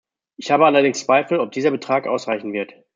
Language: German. Ich habe allerdings Zweifel, ob dieser Betrag ausreichen wird.